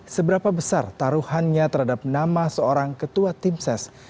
seberapa besar taruhannya terhadap nama seorang ketua tim ses